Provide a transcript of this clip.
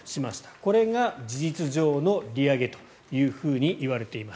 これが事実上の利上げというふうにいわれています。